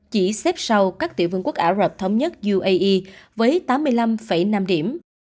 chỉ xếp sau các tiểu vương quốc ả rập thống nhất uae với tám mươi năm năm điểm